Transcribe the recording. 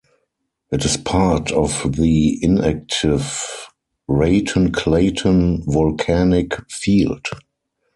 It is part of the inactive Raton-Clayton volcanic field.